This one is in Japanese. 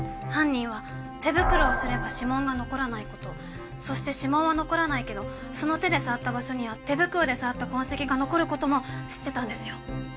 犯人は手袋をすれば指紋が残らないことそして指紋は残らないけどその手で触った場所には手袋で触った痕跡が残ることも知ってたんですよ。